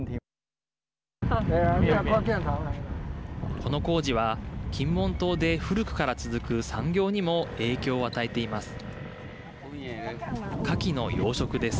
この工事は金門島で古くから続く産業にも影響を与えています。